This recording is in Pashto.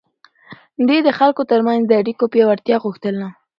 ده د خلکو ترمنځ د اړيکو پياوړتيا غوښتله.